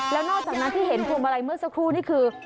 แล้วนอกจากนั้นที่เห็นพวงมาลัยเมื่อสักครู่นี่คือ